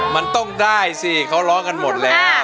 มันต้องได้สิเขาร้องกันหมดแล้ว